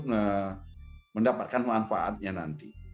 untuk mendapatkan manfaatnya nanti